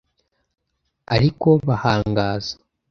Ari ko bahangaza.